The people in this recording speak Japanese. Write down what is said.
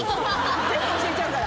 全部教えちゃうから。